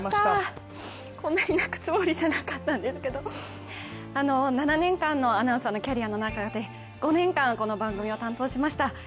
こんなに泣くつもりじゃなかったんですけど７年間のアナウンサーのキャリアの中で５年間、この番組を担当しました。